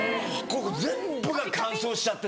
全部が乾燥しちゃってて。